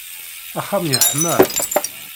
Axxam yeḥma.